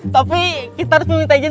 tapi kita harus meminta aja